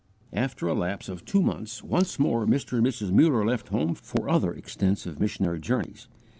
After a lapse of two months, once more Mr. and Mrs. Muller left home for other extensive missionary journeys.